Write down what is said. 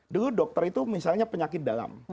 dulu dokter itu misalnya penyakit dalam